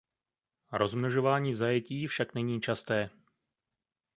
Rozmnožování v zajetí však není časté.